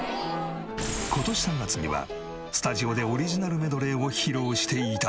今年３月にはスタジオでオリジナルメドレーを披露して頂いた。